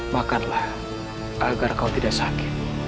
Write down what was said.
makanlah agar kau tidak sakit